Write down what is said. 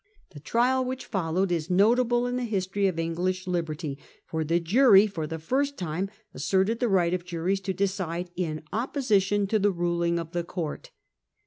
1 The trial which followed is notable in the history of English liberty, for the jury for the first time asserted the right of juries to decide in opposition to the ruling of the court.